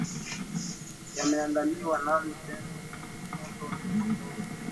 yameandaliwa nami pendo pondo ndovi